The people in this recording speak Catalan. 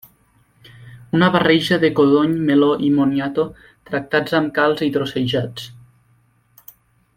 Una barreja de codony, meló i moniato tractats amb calç i trossejats.